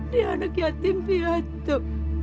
dia anak yatim piatu